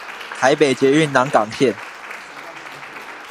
臺北捷運南港線